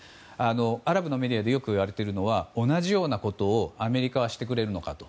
アラブのメディアでよく言われているのは同じようなことをアメリカはしてくれるのかと。